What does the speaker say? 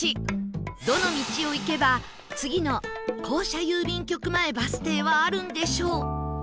どの道を行けば次の公社郵便局前バス停はあるんでしょう？